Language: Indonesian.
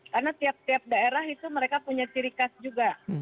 karena tiap tiap daerah itu mereka punya ciri khas juga